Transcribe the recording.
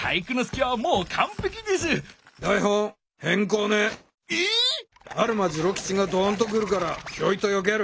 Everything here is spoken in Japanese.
アルマ次郎吉がドンと来るからひょいとよける。